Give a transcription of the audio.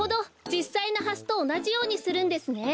じっさいのハスとおなじようにするんですね。